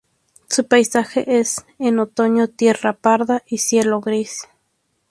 Su paisaje es en otoño tierra parda y cielo gris.